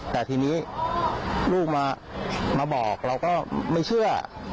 แต่ทีนี้ลูกมาบอกเราก็ไม่เชื่อ